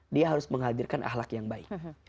dia harus menghadirkan ahlak yang baik